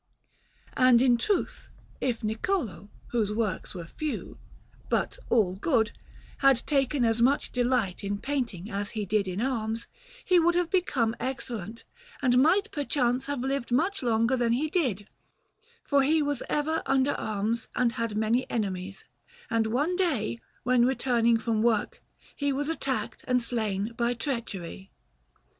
And in truth, if Niccolò, whose works were few, but all good, had taken as much delight in painting as he did in arms, he would have become excellent, and might perchance have lived much longer than he did; for he was ever under arms and had many enemies, and one day, when returning from work, he was attacked and slain by treachery.